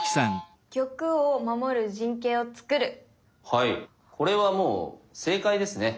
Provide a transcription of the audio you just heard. はいこれはもう正解ですね。